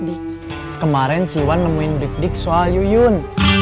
nih kemarin si iwan nemuin dik dik soal yuyun